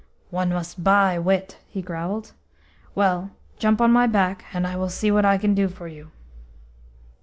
"One must buy wit," he growled. "Well, jump on my back, and I will see what I can do for you."